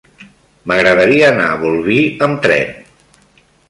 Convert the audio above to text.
M'agradaria anar a Bolvir amb tren.